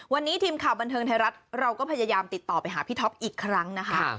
วันนี้ทีมข่าวบันเทิงไทยรัฐเราก็พยายามติดต่อไปหาพี่ท็อปอีกครั้งนะคะ